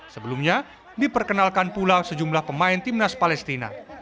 sebelumnya diperkenalkan pula sejumlah pemain timnas palestina